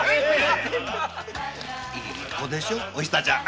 いい子でしょうおひさちゃん。